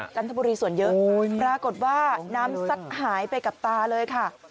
จันทบุรีส่วนเยอะปรากฏว่าน้ำซัดหายไปกับตาเลยค่ะ